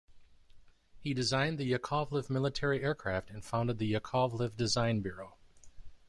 He designed the Yakovlev military aircraft and founded the Yakovlev Design Bureau.